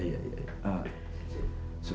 tengok woe tuh